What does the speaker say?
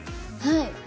はい。